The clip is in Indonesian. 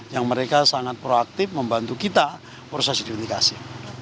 yang mereka sangat proaktif membantu kita proses identifikasi